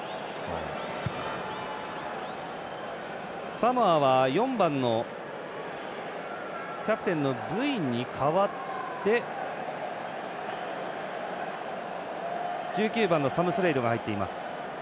サモアは４番のキャプテンのブイに代わって１９番のサム・スレイドが入っています。